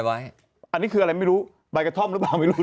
อันนี้คืออะไรไม่รู้บ่ายกะท่อมหรือไม่รู้